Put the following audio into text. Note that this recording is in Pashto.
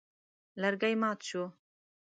لرګی مات شو.